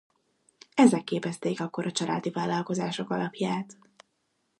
Ezek képezték akkor a családi vállalkozások alapját.